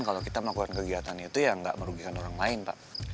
kalau kita melakukan kegiatan itu ya nggak merugikan orang lain pak